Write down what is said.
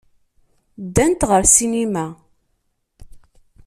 Ddant ɣer ssinima.